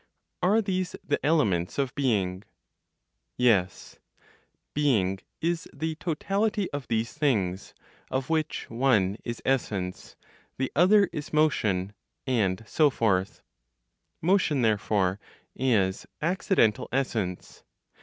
Are these the elements of being? Yes: "being" is the totality of these things, of which one is essence, the other is motion, and so forth. Motion, therefore, is accidental essence.